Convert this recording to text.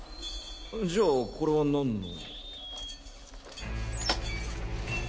じゃあこれは何の。